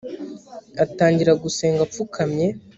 atangira gusenga apfukamye